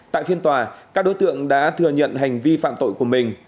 tại phiên tòa các đối tượng đã thừa nhận hành vi phạm tội của mình